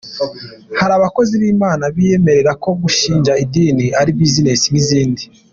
Hari abakozi b’Imana biyemerera ko gushinga idini ari ‘Business’ nk’izindi.